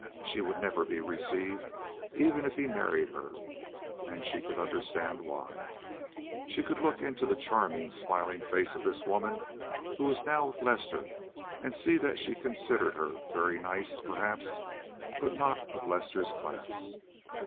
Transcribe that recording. She would never be received, even if he married her. And she could understand why. She could look into the charming, smiling face of this woman who was now with Lester, and see that she considered her very nice, perhaps, but not of Lester's class.